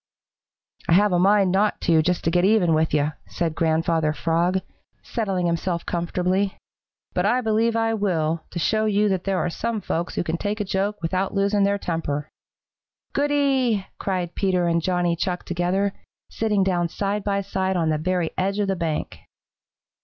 "I have a mind not to, just to get even with you," said Grandfather Frog, settling himself comfortably, "but I believe I will, to show you that there are some folks who can take a joke without losing their temper." "Goody!" cried Peter and Johnny Chuck together, sitting down side by side on the very edge of the bank.